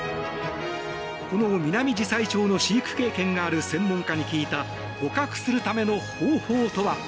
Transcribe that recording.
このミナミジサイチョウの飼育経験のある専門家に聞いた捕獲するための方法とは？